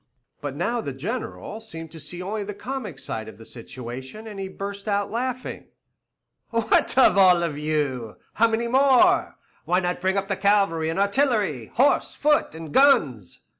But now the General seemed to see only the comic side of the situation, and he burst out laughing. "What, all of you? How many more? Why not bring up cavalry and artillery, horse, foot, and guns?"